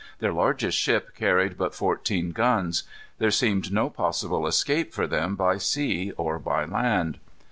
Their largest ship carried but fourteen guns. There seemed no possible escape for them by sea or by land.